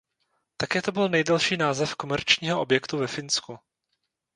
Také to byl nejdelší název komerčního objektu ve Finsku.